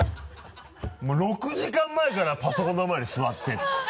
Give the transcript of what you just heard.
もう６時間前からパソコンの前に座ってるの？